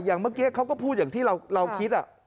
อย่างเมื่อกี้เขาก็พูดอย่างที่เราคิดอ่ะ